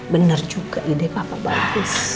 bener juga ide papa bagus